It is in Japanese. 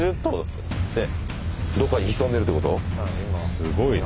すごいね。